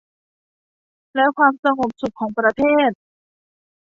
และความสงบสุขของประเทศ